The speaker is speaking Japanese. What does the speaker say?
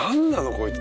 こいつ。